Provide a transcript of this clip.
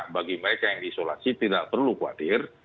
bagi mereka yang di isolasi tidak perlu khawatir